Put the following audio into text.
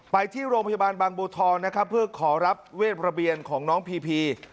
ไปที่โรงพยาบาลบางบัวทองนะครับเพื่อขอรับเวทระเบียนของน้องพีพี